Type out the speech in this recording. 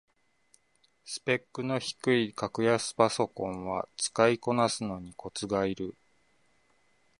スペックの低い格安パソコンは使いこなすのにコツがいる